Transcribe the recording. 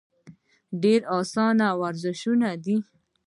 ډېر اسان ورزشونه دي -